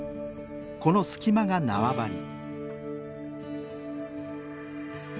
この隙間が縄張り。